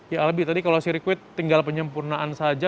ya albi tadi kalau sirkuit tinggal penyempurnaan saja